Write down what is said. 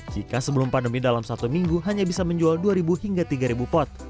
jika sebelum pandemi dalam satu minggu hanya bisa menjual dua hingga tiga pot